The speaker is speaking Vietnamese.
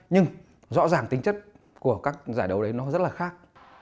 nhưng rõ ràng tính chất của các giải đấu đấy nó rất là khác